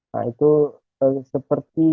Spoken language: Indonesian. nah itu seperti